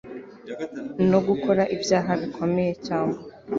no gukora ibyaha bikomeye cyangwa